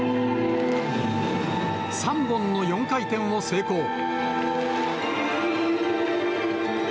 ３本の４回転を成功。